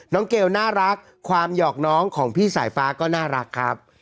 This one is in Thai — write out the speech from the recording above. เกลน่ารักความหยอกน้องของพี่สายฟ้าก็น่ารักครับ